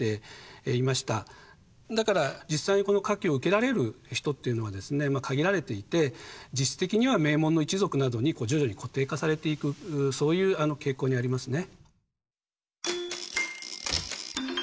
だから実際この科挙を受けられる人っていうのはですね限られていて実質的には名門の一族などに徐々に固定化されていくそういう傾向にありますね。